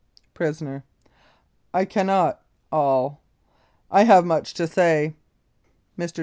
PRISONER: 1 cannot all. I have too much to say. Mr.